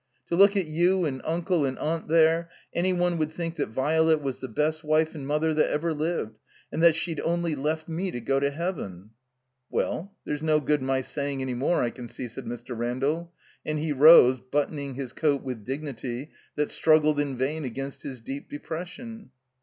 To look at you and Uncle and Aunt there, any one would think that Virelet was the best wife and mother that ever lived, and that she'd only left me to go to heaven." "Well, there's no good my saying any more, I can see," said Mr. Randall. And he rose, buttoning his coat with dignity that struggled in vain against his deep depression.